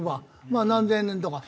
まあ何千年とか。